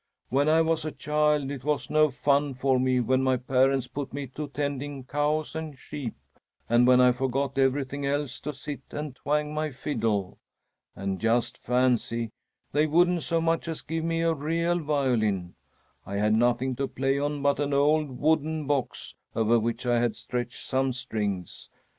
"When I was a child, it was no fun for me when my parents put me to tending cows and sheep and when I forgot everything else to sit and twang my fiddle. And just fancy! they wouldn't so much as give me a real violin. I had nothing to play on but an old wooden box over which I had stretched some strings.